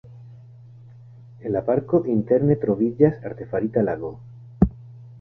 En la parko interne troviĝas artefarita lago.